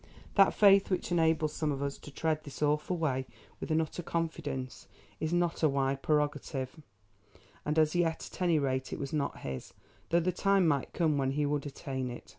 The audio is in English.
That faith which enables some of us to tread this awful way with an utter confidence is not a wide prerogative, and, as yet, at any rate, it was not his, though the time might come when he would attain it.